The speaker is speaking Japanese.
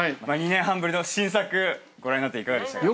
２年半ぶりの新作ご覧になっていかがでしたか？